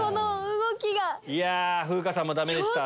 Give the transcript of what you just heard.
風花さんもダメでしたか。